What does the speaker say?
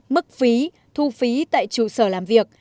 mức phí thu phí tại chủ sở làm việc